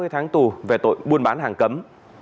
hai mươi tháng tù về tội buôn bán hàng cấm